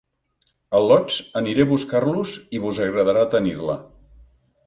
Al·lots, aniré a buscar-la i vos agradarà tenir-la.